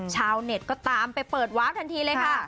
ชาวเน็ตก็ตามไปเปิดวาร์ฟทันทีเลยค่ะ